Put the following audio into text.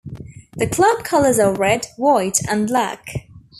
The club colours are red, white, and black.